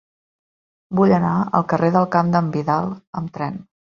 Vull anar al carrer del Camp d'en Vidal amb tren.